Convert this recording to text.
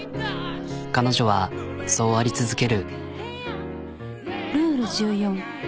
彼女はそうあり続ける。